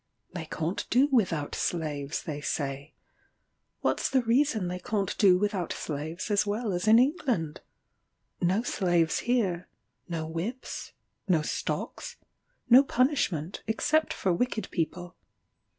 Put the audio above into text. They can't do without slaves, they say. What's the reason they can't do without slaves as well as in England? No slaves here no whips no stocks no punishment, except for wicked people.